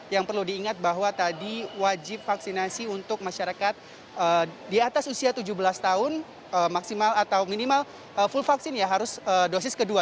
yang perlu diingat bahwa tadi wajib vaksinasi untuk masyarakat di atas usia tujuh belas tahun maksimal atau minimal full vaksin ya harus dosis kedua